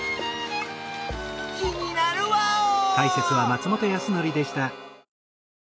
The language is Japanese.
気になるワオー！